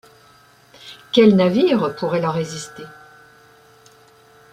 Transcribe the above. Quel navire pourrait leur résister?